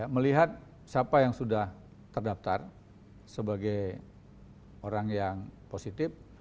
melihat siapa yang sudah terdaftar sebagai orang yang positif